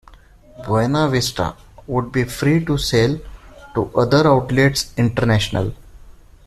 Buena Vista would be free to sell to other outlets international.